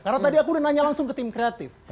karena tadi aku udah nanya langsung ke tim kreatif